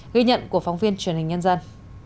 ghi nhận của phóng viên truyền hình nhân dân